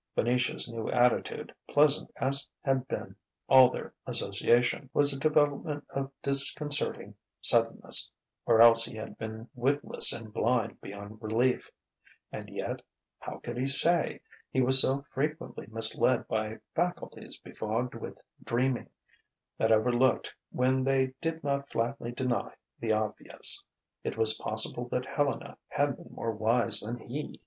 Venetia's new attitude, pleasant as had been all their association, was a development of disconcerting suddenness; or else he had been witless and blind beyond relief. And yet how could he say? He was so frequently misled by faculties befogged with dreaming, that overlooked when they did not flatly deny the obvious: it was possible that Helena had been more wise than he.